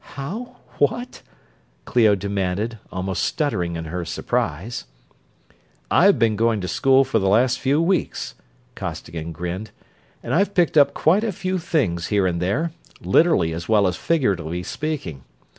"How ... what ...?" Clio demanded, almost stuttering in her surprise. "I've been going to school for the last few weeks," Costigan grinned, "and I've picked up quite a few things here and there literally as well as figuratively speaking.